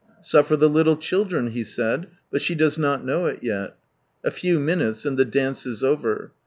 "Suffer the little children." He said, but she does not know it yeL A few minutes and the dance is over.